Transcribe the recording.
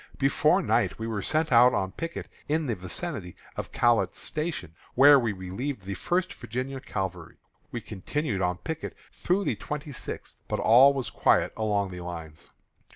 Before night we were sent out on picket in the vicinity of Catlett's Station, where we relieved the First Virginia Cavalry. We continued on picket through the twenty sixth, but all was quiet along the lines.